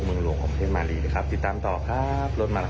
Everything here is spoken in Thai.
เมืองหลวงของประเทศมารีนะครับติดตามต่อครับรถมาแล้ว